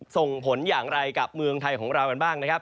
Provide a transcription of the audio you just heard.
ส่งผลอย่างไรกับเมืองไทยของเรากันบ้างนะครับ